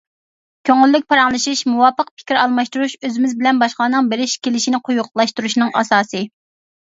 كۆڭۈللۈك پاراڭلىشىش، مۇۋاپىق پىكىر ئالماشتۇرۇش ئۆزىمىز بىلەن باشقىلارنىڭ بېرىش- كېلىشىنى قويۇقلاشتۇرۇشنىڭ ئاساسى.